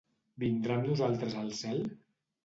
Vindrà amb nosaltres al cel?